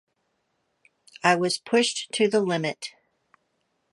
I was pushed to the limit.